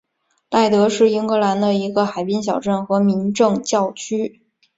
赖德是英格兰的一个海滨小镇和民政教区。